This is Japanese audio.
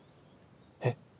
えっ。